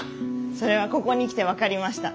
それはここに来て分かりました。